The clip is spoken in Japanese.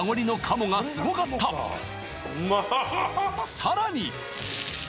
さらに！